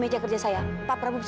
jadi saya ketahui